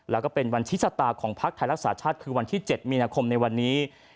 แล้วก็เป็นวันที่ชะตาของพักไทยรักษาชาติคือวันที่๗มีนาคมในวันนี้